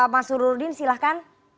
mas urudin silahkan